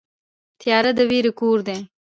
تیاره د وېرې کور دی.